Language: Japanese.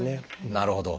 なるほど。